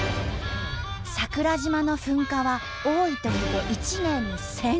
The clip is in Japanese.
桜島の噴火は多いときで１年に１，０００回。